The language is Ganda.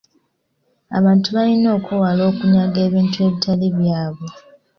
Abantu balina okwewala okunyaga ebintu ebitali byabwe.